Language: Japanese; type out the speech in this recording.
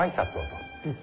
うん。